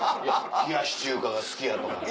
「冷やし中華が好きや」とかね。